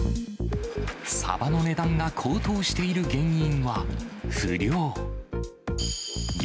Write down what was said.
サバの値段が高騰している原因は、不漁。